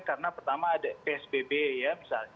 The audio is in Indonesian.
karena pertama ada psbb ya